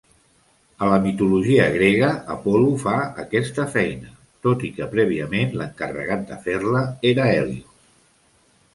En la mitologia grega, Apol·lo fa aquesta feina, tot i que prèviament l'encarregat de fer-la era Hèlios.